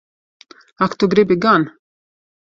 Ak tu gribi gan!